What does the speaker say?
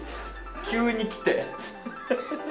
急に来て？